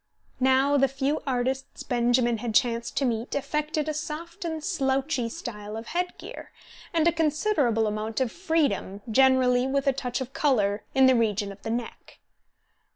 Now the few artists Benjamin had chanced to meet affected a soft and slouchy style of head gear, and a considerable amount of freedom, generally with a touch of colour, in the region of the neck.